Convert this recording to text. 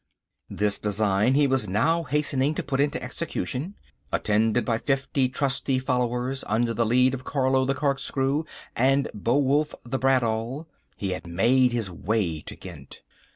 This design he was now hastening to put into execution. Attended by fifty trusty followers under the lead of Carlo the Corkscrew and Beowulf the Bradawl, he had made his way to Ghent.